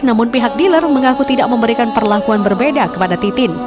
namun pihak dealer mengaku tidak memberikan perlakuan berbeda kepada titin